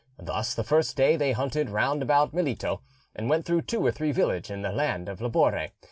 Thus the first day they hunted round about Melito, and went through two or three villages in the land of Labore.